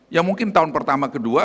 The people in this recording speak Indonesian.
ya mungkin tahun pertama kedua